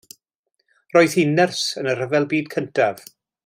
Roedd hi'n nyrs yn y Rhyfel Byd Cyntaf.